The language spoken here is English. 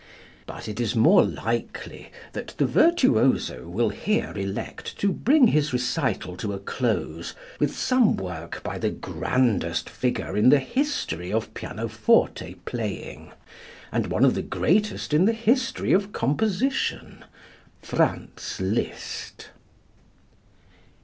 But it is more likely that the virtuoso will here elect to bring his recital to a close with some work by the grandest figure in the history of pianoforte playing and one of the greatest in the history of composition Franz Liszt.